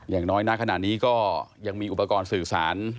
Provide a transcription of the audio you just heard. อย่างน้อยนะขณะนี้ก็ยังมีอุปกรณ์สื่อสาร